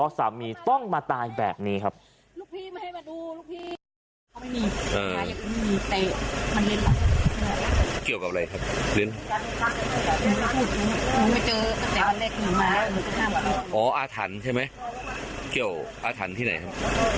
อ๋ออาถรรษ์ใช่ไหมเกี่ยวอทรรษ์ที่ไหนครับ